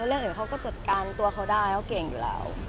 เรื่องอื่นเขาก็จัดการตัวเขาได้เขาเก่งอยู่แล้ว